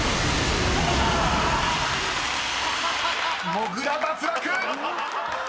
［もぐら脱落！］